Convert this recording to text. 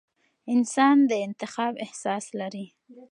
انسان د انتخاب احساس لري.